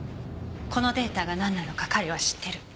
このデータがなんなのか彼は知ってる。